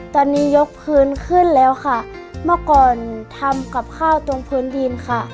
ตอนนี้ยกพื้นขึ้นแล้วค่ะเมื่อก่อนทำกับข้าวตรงพื้นดินค่ะ